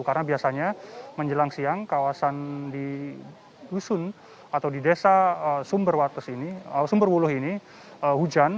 karena biasanya menjelang siang kawasan di husun atau di desa sumberwuluh ini hujan